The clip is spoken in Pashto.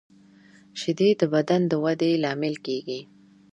شیدې د بدن د ودې لامل کېږي